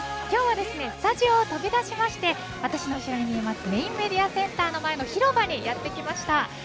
今日はスタジオを飛び出して後ろにあるメインメディアセンターの前広場にやってきました。